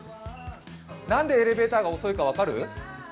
何でエレベーターが遅いか分かる？